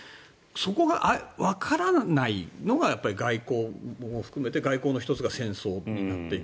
そこがわからないというのがやっぱり外交を含めて外交の１つが戦争になっていく。